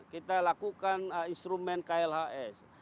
kita lakukan instrumen klhs